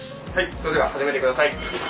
それでは始めて下さい。